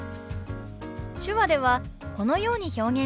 手話ではこのように表現します。